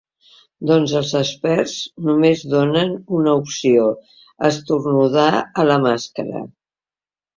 Doncs els experts només donen una opció: esternudar a la màscara.